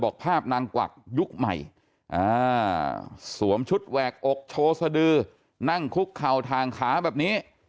ภาพนางกวักยุคใหม่สวมชุดแหวกอกโชว์สดือนั่งคุกเข่าทางขาแบบนี้